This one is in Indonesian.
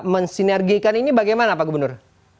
mensinergikan ini bagaimana pak gubernur